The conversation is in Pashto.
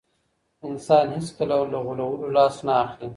انسان هیڅکله له غولولو لاس نه اخلي.